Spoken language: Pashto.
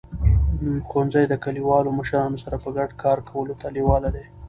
ښوونځي د کلیوالو مشرانو سره په ګډه کار کولو ته لیواله دي.